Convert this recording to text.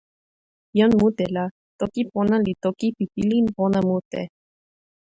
jan mute la, toki pona li toki pi pilin pona mute.